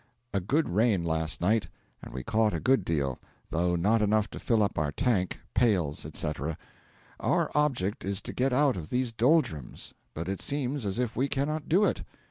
A good rain last night, and we caught a good deal, though not enough to fill up our tank, pails, &c. Our object is to get out of these doldrums, but it seems as if we cannot do it.